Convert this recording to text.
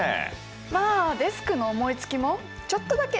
まあデスクの思いつきもちょっとだけ見直しました。